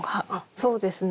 そうですね。